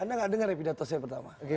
anda nggak dengar ya pidato saya pertama